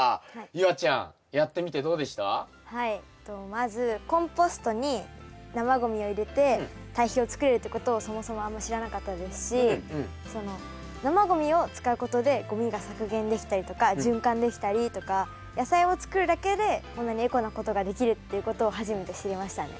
まずコンポストに生ごみを入れて堆肥をつくれるってことをそもそもあんま知らなかったですし生ごみを使うことでごみが削減できたりとか循環できたりとか野菜を作るだけでこんなにエコなことができるっていうことを初めて知りましたね。